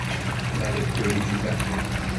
Badedquio ubi chuita